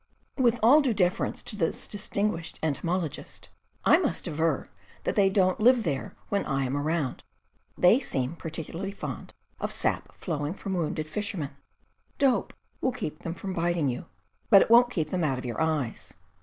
With all due deference to this distinguished entomolo gist, I must aver that they don't live there when I am around; they seem particularly fond of sap flowing from wounded fishermen. Dope will keep them from biting you, but it won't keep them out of your eyes.